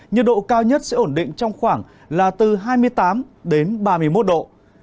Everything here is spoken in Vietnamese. nhiệt độ cao nhất sẽ ổn định trong khoảng là từ hai mươi tám đến ba mươi một độ